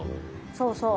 そうそう。